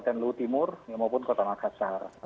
di lutimur maupun kota makassar